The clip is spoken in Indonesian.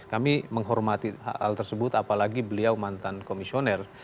kami menghormati hal tersebut apalagi beliau mantan komisioner